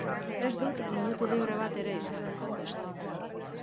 Ez dut minutu libre bat ere ez izan.